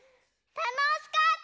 たのしかった！